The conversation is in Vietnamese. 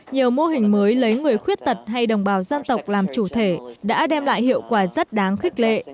nhiều mô hình mới lấy người khuyết tật hay đồng bào dân tộc làm chủ thể đã đem lại hiệu quả rất đáng khích lệ